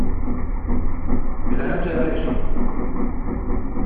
de la noche de Reyes.